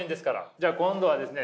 じゃあ今度はですね